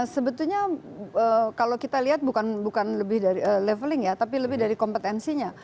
sebetulnya kalau kita lihat bukan lebih dari leveling ya tapi lebih dari kompetensinya